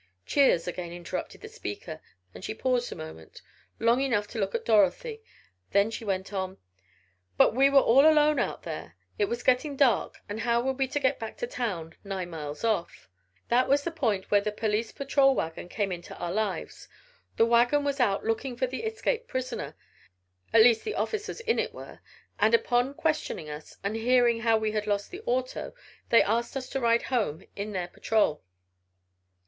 Cheers again interrupted the speaker, and she paused a moment long enough to look at Dorothy, then she went on: "But we were all alone out there, it was getting dark, and how were we to get back to town, nine miles off? That was the point where the police patrol wagon came into our lives. The wagon was out looking for the escaped prisoner, at least the officers in it were, and upon questioning us, and hearing how we had lost the auto, they asked us to ride home in their patrol!"